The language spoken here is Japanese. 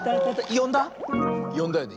よんだよね？